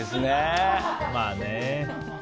まあね。